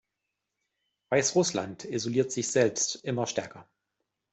Weißrussland isoliert sich selbst immer stärker.